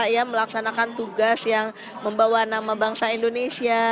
ya melaksanakan tugas yang membawa nama bangsa indonesia